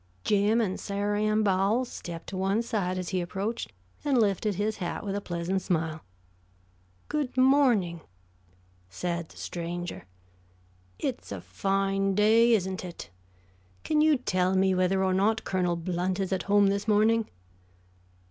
Jim and Sarah Ann Bowles stepped to one side as he approached and lifted his hat with a pleasant smile. "Good morning," said the stranger. "It's a fine day, isn't it? Can you tell me whether or not Colonel Blount is at home this morning?"